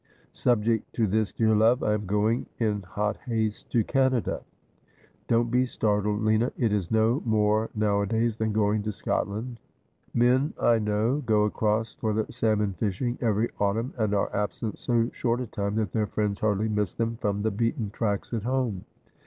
Subject to this, dear love, I am going, in hot haste, to Canada. Don't be startled, Lina. It is no more nowadays than going to Scotland. Men I know go across for the salmon fishing every autumn, and are absent so short a time that their friends hardly miss them from the beaten tracks at home.